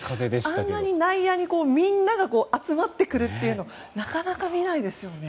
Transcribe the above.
あんなに内野にみんなが集まってくるというのはなかなか見ないですよね。